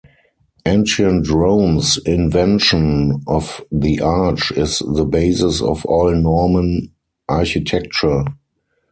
Ancient Rome's invention of the arch is the basis of all Norman architecture.